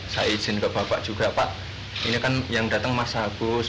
saya izin ke bapak juga pak ini kan yang datang mas agus